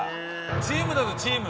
チームだぞチーム！